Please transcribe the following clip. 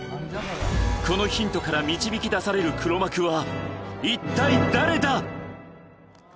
このヒントから導き出される黒幕は、一体誰だ！